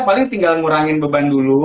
paling tinggal ngurangin beban dulu